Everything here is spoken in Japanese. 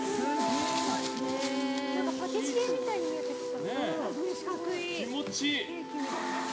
パティシエみたいに見えてきた。